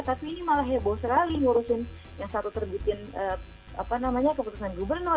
tapi ini malah heboh sekali ngurusin yang satu terbitin keputusan gubernur